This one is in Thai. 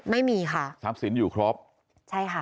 ไม่มีค่ะทรัพย์สินอยู่ครบใช่ค่ะ